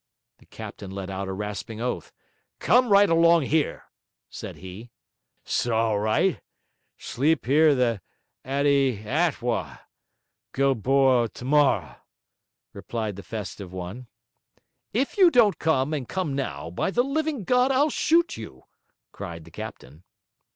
The captain let out a rasping oath. 'Come right along here,' said he. ''S all righ'. Sleep here 'th Atty Attwa. Go boar' t'morr',' replied the festive one. 'If you don't come, and come now, by the living God, I'll shoot you!' cried the captain.